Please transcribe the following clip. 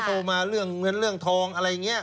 โทรมาเรื่องเงินเรื่องทองอะไรอย่างนี้